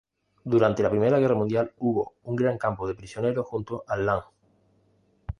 Durante la Primera Guerra Mundial hubo un gran campo de prisioneros junto al Lahn.